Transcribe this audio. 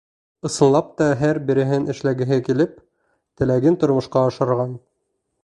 Ысынлап та, һәр береһен эшләгеһе килеп, теләген тормошҡа ашырған.